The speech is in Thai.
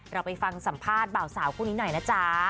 เราไปฟังสัมภาษณ์บ่าวสาวคู่นี้หน่อยนะจ๊ะ